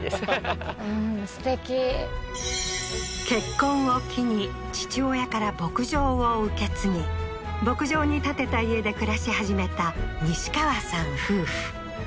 はっうんすてき結婚を機に父親から牧場を受け継ぎ牧場に建てた家で暮らし始めた西川さん夫婦